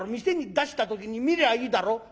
店に出した時に見りゃいいだろ！」。